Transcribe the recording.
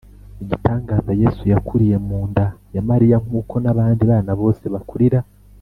Igitangaza yesu yakuriye mu nda ya mariya nk uko n abandi bana bose bakurira